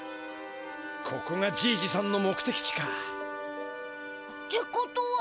ここがじいじさんのもくてき地か。ってことは。